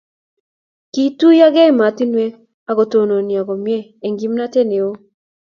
kiituyokei emotinwek ako tononio komie eng' kimnatet neo